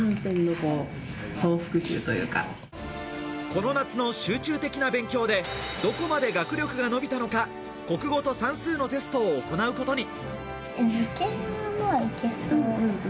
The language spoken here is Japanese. この夏の集中的な勉強でどこまで学力が伸びたのか、国語と算数のテストを行うことに。